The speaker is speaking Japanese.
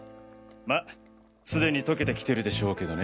ますでに溶けてきてるでしょうけどね。